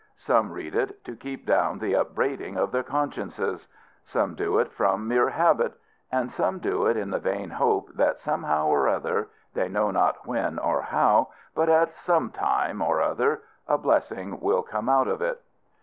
Some read it to keep down the upbraidings of their consciences. Some do it from mere habit. And some do it in the vain hope that somehow or other they know not when or how, but at some time or other a blessing will come out of it.